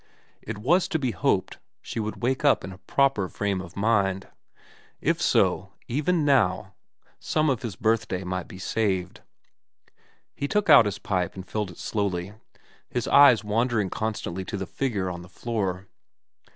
It was to be hoped she would wake up in a proper frame of mind. If so, even now some of the birthday might be saved. He took out his pipe and filled it slowly, his eyes wandering constantly to the figure on the floor.